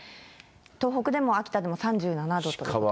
東北でも秋田でも３７度ということになります。